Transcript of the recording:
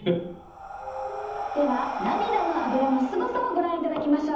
では涙のアブラのすごさをご覧いただきましょう。